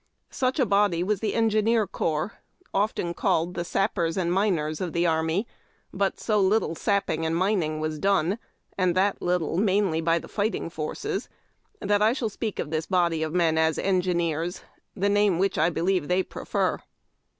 Such a l)ody was the Enji'meer Corps, often called tlie Sapper's and 3Iiners of the army ; but so little sap])ing and mining was done, and that little niainl} by the fighting forces, I shall speak of this body of men as Eiigiiieers — the name which, I believe, tliey ])refer.